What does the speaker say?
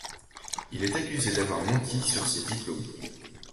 Il est accusé d'avoir menti sur ses diplômes.